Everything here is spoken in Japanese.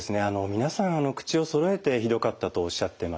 皆さん口をそろえてひどかったとおっしゃってます。